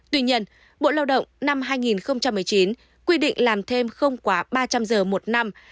tuy nhiên bộ lao động năm hai nghìn một mươi chín quy định làm thêm không quá ba trăm linh giờ một năm